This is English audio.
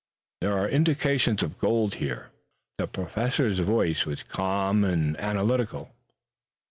"There are indications of gold here!" The Professor's voice was calm and analytical.